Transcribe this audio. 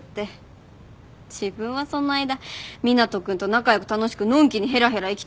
自分はその間湊斗君と仲良く楽しくのんきにへらへら生きて。